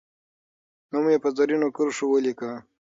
نوم یې په زرینو کرښو ولیکه.